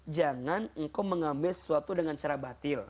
jangan engkau mengambil sesuatu dengan cara batil